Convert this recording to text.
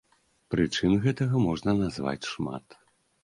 Прычын гэтага можна назваць шмат.